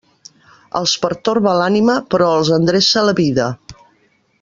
Els pertorba l'ànima, però els endreça la vida.